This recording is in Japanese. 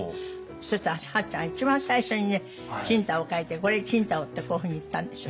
そしたら八ちゃん一番最初にね青島を書いて「これ青島」ってこういうふうに言ったんですよ。